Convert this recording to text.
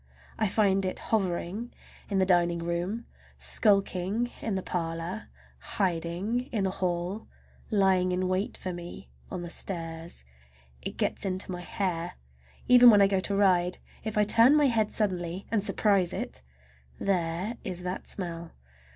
I find it hovering in the dining room, skulking in the parlor, hiding in the hall, lying in wait for me on the stairs. It gets into my hair. Even when I go to ride, if I turn my head suddenly and surprise it—there is that smell!